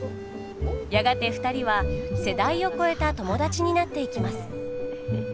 やがて２人は世代を超えた友達になっていきます。